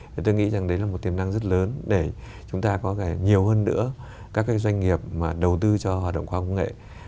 thì tôi nghĩ là đấy là một tiềm năng rất lớn để chúng ta có nhiều hơn nữa các doanh nghiệp đầu tư cho hoạt động khoa công nghệ